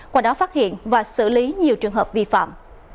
qua đó phát hiện và xử lý nhiều trường hợp vi phạm